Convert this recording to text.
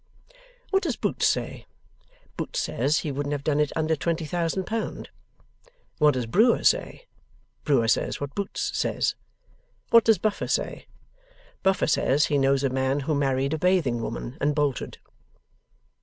What does Boots say? Boots says he wouldn't have done it under twenty thousand pound. What does Brewer say? Brewer says what Boots says. What does Buffer say? Buffer says he knows a man who married a bathing woman, and bolted.